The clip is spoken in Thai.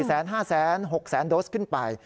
๔แสน๕แสน๖แสนโดสขึ้นไป